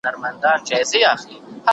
مېوې د مور له خوا وچول کيږي!؟